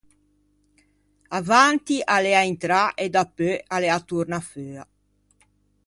Avanti a l’ea intrâ e dapeu a l’ea torna feua.